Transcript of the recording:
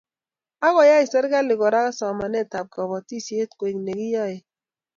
Akoyai serkali Kora somanetab kobotisiet koek nekiyaei eng